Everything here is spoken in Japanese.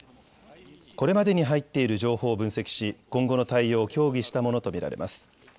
これまでに入っている情報を分析し今後の対応を協議したものと見られます。